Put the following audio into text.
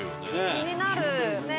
気になる！